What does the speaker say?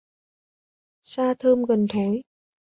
Xa thơm gần thối